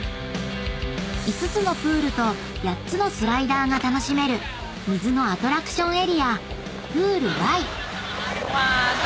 ［５つのプールと８つのスライダーが楽しめる水のアトラクションエリア］